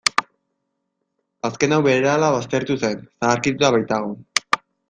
Azken hau berehala baztertu zen, zaharkituta baitago.